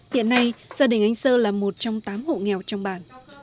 hiện nay gia đình anh sơ là một trong tám hộ nghèo trong bản